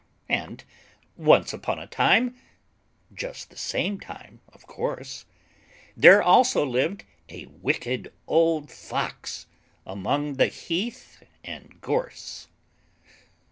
And once upon a time Just the same time, of course, There also lived a Wicked Old Fox Among the heath and gorse.